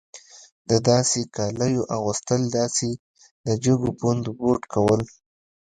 د داسې کالیو اغوستل داسې د جګو پوندو بوټ کول.